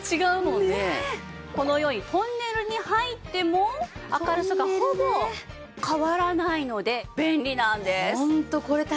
このようにトンネルに入っても明るさがほぼ変わらないので便利なんです。